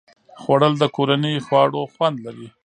خوړل د کورني خواړو خوند لري